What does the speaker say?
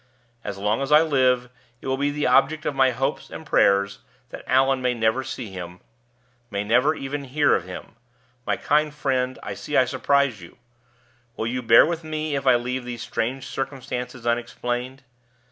As long as I live, it will be the object of my hopes and prayers that Allan may never see him, may never even hear of him. My kind friend, I see I surprise you: will you bear with me if I leave these strange circumstances unexplained?